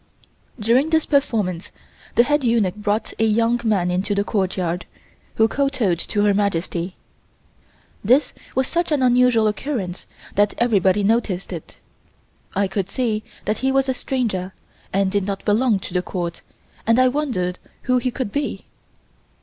During this performance the head eunuch brought a young man into the courtyard, who kowtowed to Her Majesty. This was such an unusual occurrence that everybody noticed it. I could see that he was a stranger and did not belong to the Court and I wondered who he could be.